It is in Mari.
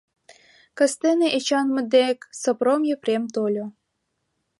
Кастене Эчанмыт дек Сопром Епрем тольо.